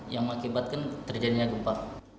yang mengakibatkan terjadinya gempa